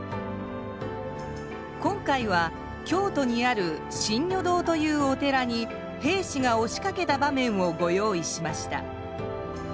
今回は京都にある真如堂というお寺に兵士がおしかけた場面をご用意しました。